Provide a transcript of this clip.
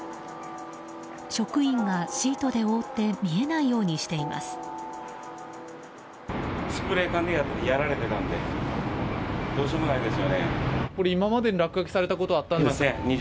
職員がシートで覆って見えないようにしています。